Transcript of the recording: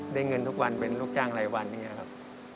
ได้เงินทุกวันเป็นลูกจ้างรายวันอย่างนี้ครับ